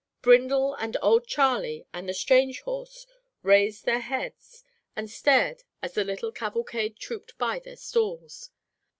Brindle and old Charley and the strange horse raised their heads and stared as the little cavalcade trooped by their stalls.